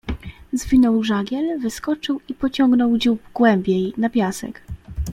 "Zwinął żagiel, wyskoczył i pociągnął dziób głębiej, na piasek."